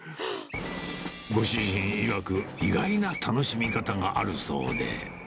ご主人いわく、意外な楽しみ方があるそうで。